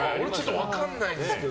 分かんないですけど。